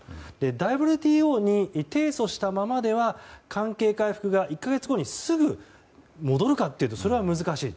ＷＴＯに提訴したままでは関係回復が１か月後にすぐ戻るかというとそれは難しい。